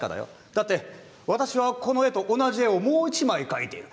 だって私はこの絵と同じ絵をもう１枚描いている。